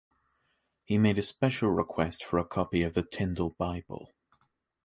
He made a special request for a copy of the Tyndale Bible.